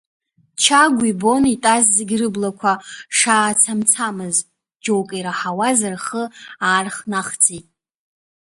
Чагә ибон итәаз зегьы рыблақәа шаацамцамыз, џьоукгьы ираҳауаз рхы аархнахӡеит.